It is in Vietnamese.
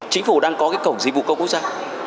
chính phủ đang có cái cổng dịch vụ công quốc gia